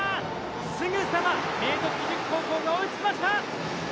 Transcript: すぐさま明徳義塾高校が追いつきました！